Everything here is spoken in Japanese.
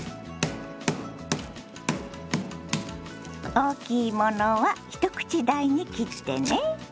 大きいものは一口大に切ってね。